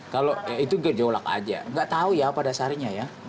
kalau itu gejolak aja nggak tahu ya pada dasarnya ya